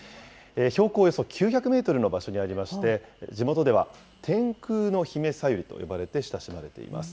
標高およそ９００メートルの場所にありまして、地元では天空のひめさゆりと呼ばれて親しまれています。